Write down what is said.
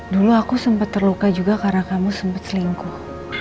dulu aku sempat terluka juga karena kamu sempat selingkuh